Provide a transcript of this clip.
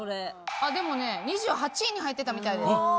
あっでもね２８位に入ってたみたいです。